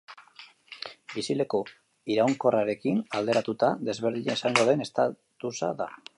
Bizileku iraunkorrarekin alderatuta, desberdina izango den estatusa da.